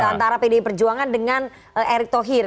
antara pdi perjuangan dengan erick thohir